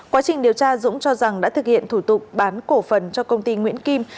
quá trình điều tra dũng cho rằng đã thực hiện thủ tục bán cổ phần cho công ty nguyễn kim